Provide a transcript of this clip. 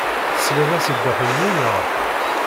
Teslid-as i Dda Ḥemmu, naɣ?